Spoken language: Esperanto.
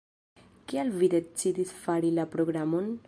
Kial vi decidis fari la programon?